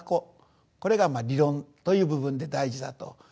これが理論という部分で大事だと。